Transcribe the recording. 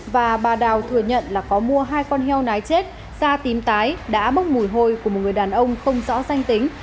và bà đào thừa nhận là có mua hai con heo nái chết da tím tái đã bốc mùi hôi của một người đàn ông không rõ danh tính